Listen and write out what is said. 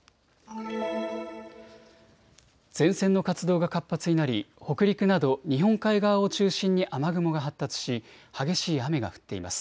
前線の活動が活発になり北陸など日本海側を中心に雨雲が発達し激しい雨が降っています。